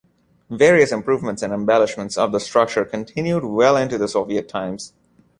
Various improvements and embellishments of the structure continued well into the Soviet times.